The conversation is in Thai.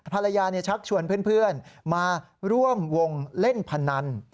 ชักชวนเพื่อนมาร่วมวงเล่นพนัน